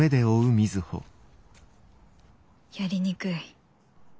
やりにくい。